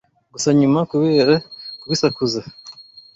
gusa nyuma kubera kubisakuza,